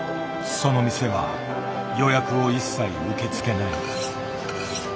☎その店は予約を一切受け付けない。